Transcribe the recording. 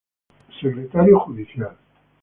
Secretario Judicial.